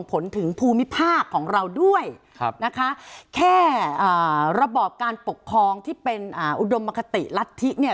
ถึงภูมิภาคของเราด้วยนะคะแค่ระบอบการปกครองที่เป็นอุดมคติรัฐธิเนี่ย